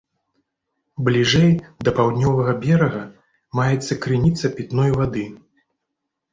Бліжэй да паўднёвага берага, маецца крыніца пітной вады.